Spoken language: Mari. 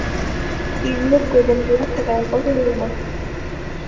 Изиэт годым тыят тыгаяк отыл ыле мо?